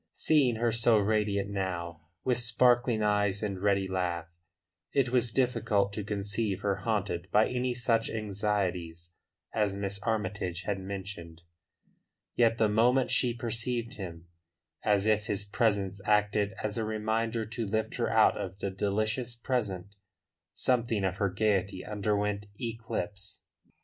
Seeing her so radiant now, with sparkling eyes and ready laugh, it was difficult to conceive her haunted by any such anxieties as Miss Armytage had mentioned. Yet the moment she perceived him, as if his presence acted as a reminder to lift her out of the delicious present, something of her gaiety underwent eclipse.